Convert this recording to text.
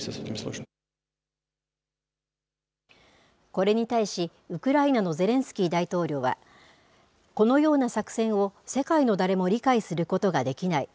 これに対し、ウクライナのゼレンスキー大統領は、このような作戦を世界の誰も理解することができない。